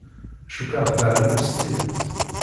Cukkeɣ teɛlem s tidet.